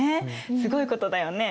すごいことだよね。